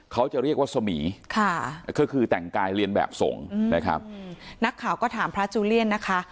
เขาจะเรียกว่าสมีค่ะก็คือแต่งกายเรียนแบบสงฆ์นะครับนักข่าวก็ถามพระจูเลียนนะคะ